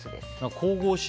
神々しい。